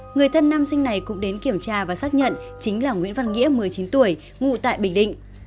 người thân nam sinh này cũng đến kiểm tra và xác nhận chính là nguyễn văn nghĩa một mươi chín tuổi ngụ tại bình định